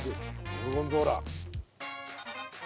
ゴルゴンゾーラ。